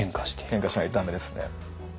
変化しないと駄目ですね。